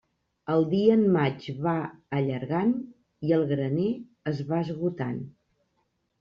El dia en maig va allargant i el graner es va esgotant.